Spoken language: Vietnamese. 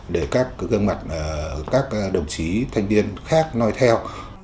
để các đồng chí thanh niên khác nói theo